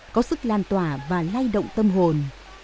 có sức lan tỏa và lay động tâm hồn